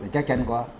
chắc chắn có